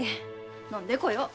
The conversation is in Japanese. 飲んでこよう。